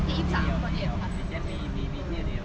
ไม่ใช่นี่คือบ้านของคนที่เคยดื่มอยู่หรือเปล่า